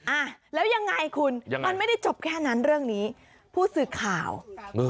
อ่ะแล้วยังไงคุณยังไงมันไม่ได้จบแค่นั้นเรื่องนี้ผู้สื่อข่าวเออ